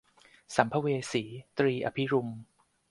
สัมภเวสี - ตรี อภิรุม